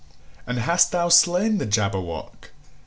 "And hast thou slain the Jabberwock?